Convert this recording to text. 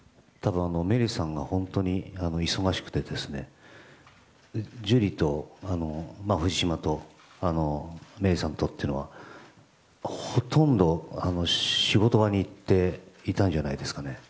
メリーさんは本当に忙しくて藤島とメリーさんというのはほとんど仕事場にいたんじゃないですかね。